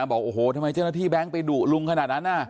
บอกโอ้โหทำไมเจ้าหน้าที่แบงค์ไปดุลุงขนาดนั้น